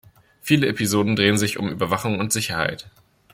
Viele Episoden drehen sich um Überwachung und Sicherheit.